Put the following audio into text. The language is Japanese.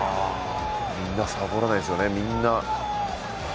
みんな、サボらないですよね。